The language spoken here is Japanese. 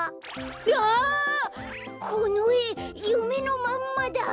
あこのえゆめのまんまだ！